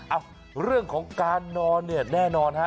เอ้าเรื่องของการนอนเนี่ยแน่นอนฮะ